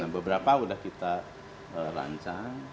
beberapa udah kita lancang